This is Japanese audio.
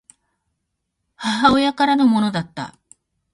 母親からのものだった